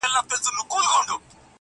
زما د اوښکي ـ اوښکي ژوند يوه حصه راوړې,